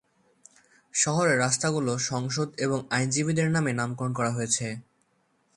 শহরের রাস্তাগুলো সংসদ এবং আইনজীবিদের নামে নামকরণ করা হয়েছে।